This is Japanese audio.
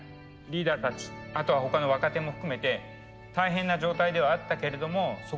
リーダーたちあとは他の若手も含めて大変な状態ではあったけれどもそこですごい成長がありました。